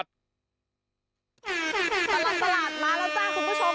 ตลอดตลาดมาแล้วจ้าคุณผู้ชม